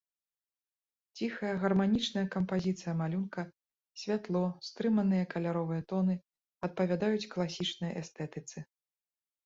Ціхая, гарманічная кампазіцыя малюнка, святло, стрыманыя каляровыя тоны адпавядаюць класічнай эстэтыцы.